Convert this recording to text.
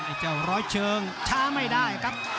เจ้าร้อยเชิงช้าไม่ได้ครับ